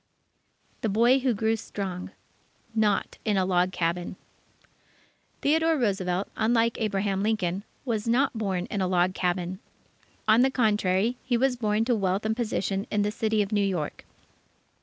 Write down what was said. THE BOY WHO GREW STRONG Not in a Log Cabin Theodore Roosevelt, unlike Abraham Lincoln, was not born in a log cabin. On the contrary, he was born to wealth and position in the City of New York.